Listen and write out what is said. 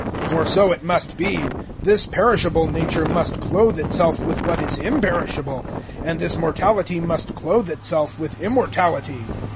015:053 For so it must be: this perishable nature must clothe itself with what is imperishable, and this mortality must clothe itself with immortality.